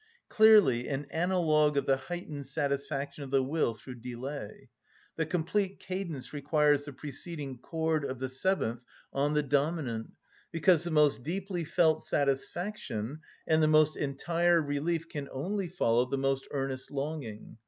Clearly an analogue of the heightened satisfaction of the will through delay. The complete cadence requires the preceding chord of the seventh on the dominant; because the most deeply felt satisfaction and the most entire relief can only follow the most earnest longing.